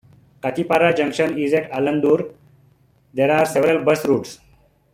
Kathipara Junction is at Alandur; there are several bus routes.